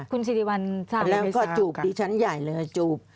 คุณสิริวัลสร้างเหตุภาพกันแล้วก็จูบดิฉันใหญ่เลยค่ะจูบ